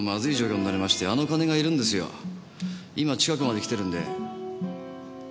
今近くまで来てるんで。